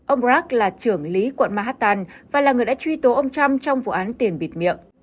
ông prak là trưởng lý quận manhattan và là người đã truy tố ông trump trong vụ án tiền bịt miệng